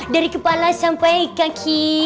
dari kepala sampe kaki